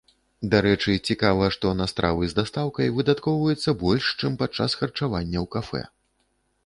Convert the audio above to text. Дарэчы, цікава, што на стравы з дастаўкай выдаткоўваецца больш, чым падчас харчавання ў кафэ.